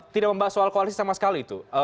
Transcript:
tidak membahas soal koalisi sama sekali itu